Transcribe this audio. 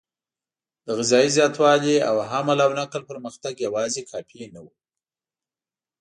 د غذایي زیاتوالي او حمل او نقل پرمختګ یواځې کافي نه و.